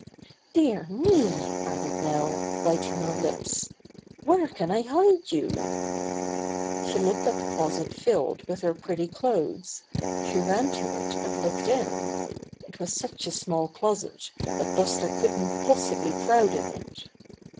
"Dear me," added Nell, biting her lips, "where can I hide you?" She looked at the closet filled with her pretty clothes. She ran to it and looked in. It was such a small closet that Buster couldn't possibly crowd in it.